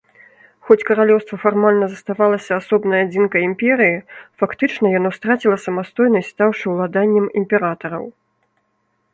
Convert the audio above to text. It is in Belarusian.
Хоць каралеўства фармальна заставалася асобнай адзінкай імперыі, фактычна яно страціла самастойнасць, стаўшы ўладаннем імператараў.